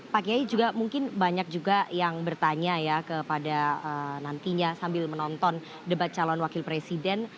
pak kiai juga mungkin banyak juga yang bertanya ya kepada nantinya sambil menonton debat calon wakil presiden